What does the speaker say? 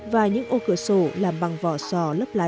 và những ô cửa sổ làm bằng vỏ sò